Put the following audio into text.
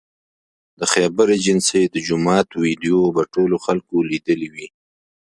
د خیبر ایجنسۍ د جومات ویدیو به ټولو خلکو لیدلې وي